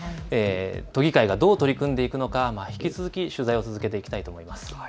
都議会がどう取り組んでいくのか引き続き取材を続けていきたいと思います。